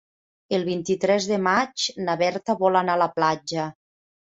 El vint-i-tres de maig na Berta vol anar a la platja.